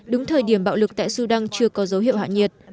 đúng thời điểm bạo lực tại sudan chưa có dấu hiệu hạ nhiệt